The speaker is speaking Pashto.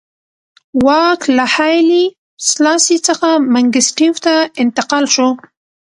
واک له هایلي سلاسي څخه منګیسټیو ته انتقال شو.